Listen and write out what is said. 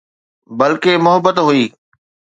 بلڪه محبت هئي